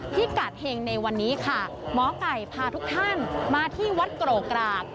พิกัดเห็งในวันนี้ค่ะหมอไก่พาทุกท่านมาที่วัดโกรกราก